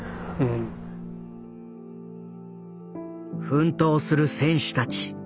奮闘する選手たち。